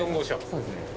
そうですね。